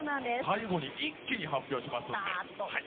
最後に一気に発表しますので。